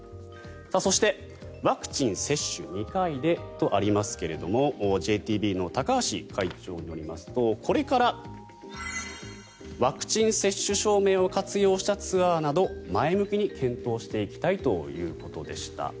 そして、ワクチン接種２回でとありますがＪＴＢの高橋会長によりますとこれからワクチン接種証明を活用したツアーなど前向きに検討していきたいということでした。